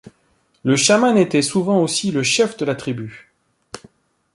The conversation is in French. Le chaman était souvent aussi le chef de la tribu.